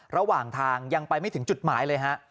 ระหว่างทางยังไปไม่ถึงจุดหมายเลยฮะ